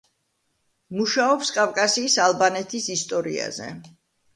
მუშაობს კავკასიის ალბანეთის ისტორიაზე.